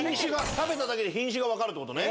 食べただけで品種がわかるって事ね。